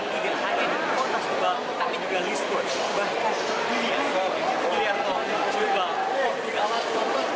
tidak hanya di kota stubal tapi juga di lestun bahkan di liat